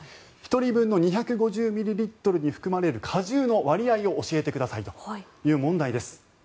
１人分の２５０ミリリットルに含まれる果汁の割合を教えてくださいという問題です。